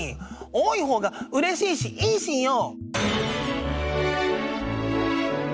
多い方がうれしいしいいしんよ！